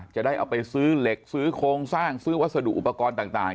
จะได้เอาไปซื้อเหล็กซื้อโครงสร้างซื้อวัสดุอุปกรณ์ต่าง